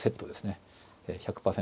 １００％。